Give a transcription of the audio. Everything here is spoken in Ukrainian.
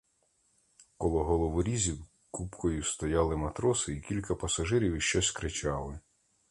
Коло головорізів купкою стояли матроси й кілька пасажирів і щось кричали.